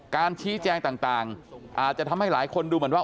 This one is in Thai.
การชี้แจงต่างอาจจะทำให้หลายคนดูเหมือนว่า